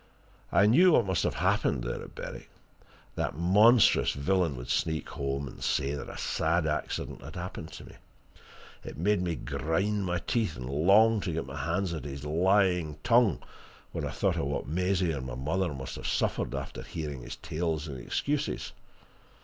I knew what must have happened there at Berwick. That monstrous villain would sneak home and say that a sad accident had happened me. It made me grind my teeth and long to get my hands at his lying tongue when I thought of what Maisie and my mother must have suffered after hearing his tales and excuses.